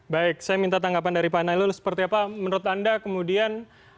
baik saya minta tanggapan dari pak nailul seperti apa menurut anda kemudian